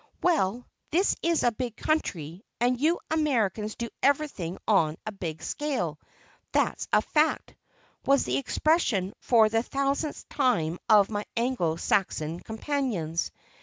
"Well, this is a big country, and you Americans do everything on a big scale, that's a fact," was the expression for the thousandth time of my Anglo Saxon companions.